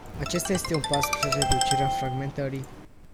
Acesta este un pas spre reducerea fragmentării.